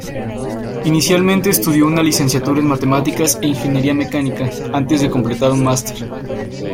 Inicialmente estudió una licenciatura en matemáticas e ingeniería mecánica, antes de completar un máster.